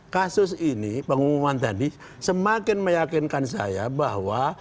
kasus ini pengumuman tadi semakin meyakinkan saya bahwa